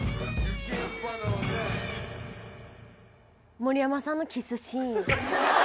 盛山さんのキスシーン。